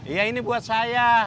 iya ini buat saya